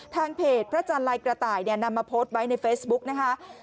ทางเพจพระจันทร์ลายกระต่ายนำมาโพสต์ไว้ในเฟซบุ๊กนะคะ